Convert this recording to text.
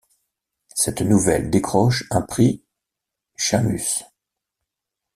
Cette nouvelle décroche un prix Shamus.